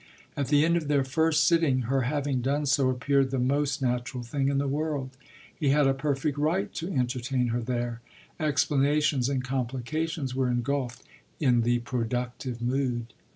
At the end of their first sitting her having done so appeared the most natural thing in the world: he had a perfect right to entertain her there explanations and complications were engulfed in the productive mood.